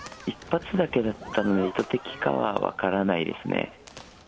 １発だけだったんで、意図的かは分からないですね。